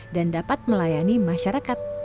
dan dapat melayani masyarakat